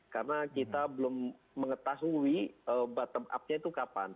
karena kita belum mengetahui bottom upnya itu kapan